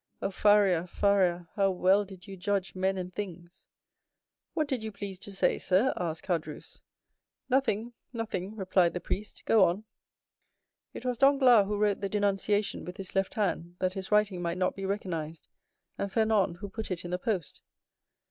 "Oh, Faria, Faria, how well did you judge men and things!" "What did you please to say, sir?" asked Caderousse. "Nothing, nothing," replied the priest; "go on." "It was Danglars who wrote the denunciation with his left hand, that his writing might not be recognized, and Fernand who put it in the post."